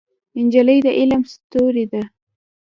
نجلۍ د علم ستورې ده.